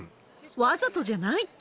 わざとじゃないって？